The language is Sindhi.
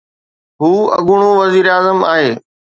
هو اڳوڻو وزيراعظم آهي.